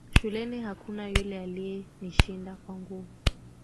Shuleni hakuna yule aliye nishinda kwa nguvu